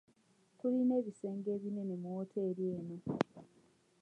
Tulina ebisenge ebinene mu wooteeri eno.